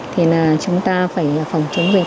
thì chúng ta phải phòng chống dịch